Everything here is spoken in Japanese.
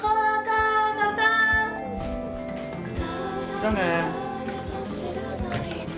じゃあね。